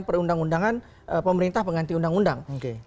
perundang undangan pemerintah pengganti undang undang